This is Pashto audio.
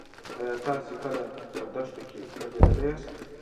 ایا تاسې کله په دښته کې ګرځېدلي یاست؟